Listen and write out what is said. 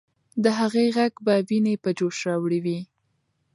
د هغې ږغ به ويني په جوش راوړي وي.